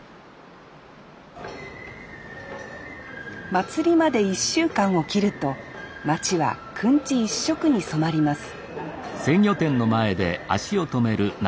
祭りまで１週間をきると町はくんち一色に染まります